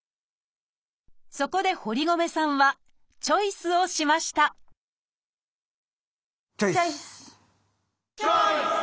そこで堀米さんはチョイスをしましたチョイス！